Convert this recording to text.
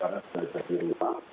terlalu terlalu terlupa